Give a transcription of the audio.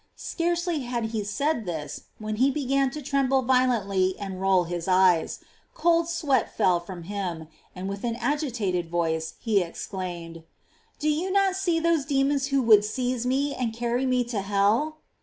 Scarcely had he said this, when he began to tremble violently and roll his eyes; cold sweat fell from him, and with an agitated voice he ex claimed: "Do you not see those demons who would seize me and carry me to hell?"